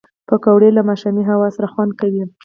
پکورې له ماښامي هوا سره خوند کوي